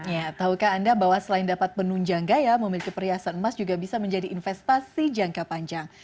ya tahukah anda bahwa selain dapat menunjang gaya memiliki perhiasan emas juga bisa menjadi investasi jangka panjang